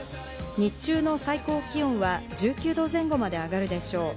日中の最高気温は１９度前後まで上がるでしょう。